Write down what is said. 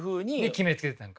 決めつけてたんか。